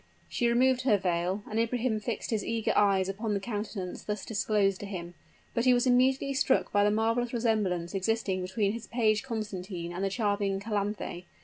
She removed her veil; and Ibrahim fixed his eager eyes upon the countenance thus disclosed to him; but he was immediately struck by the marvelous resemblance existing between his page Constantine, and the charming Calanthe.